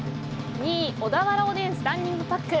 ２位、小田原おでんスタンディングパック。